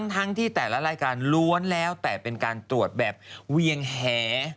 ทั้งที่แต่ละรายการล้วนแล้วแต่เป็นการตรวจแบบเวียงแห